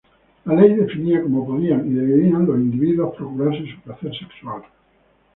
La ley definía como podían y debían los individuos procurarse su placer sexual.